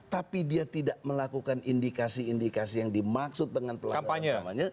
tapi dia tidak melakukan indikasi indikasi yang dimaksud dengan pelanggaran namanya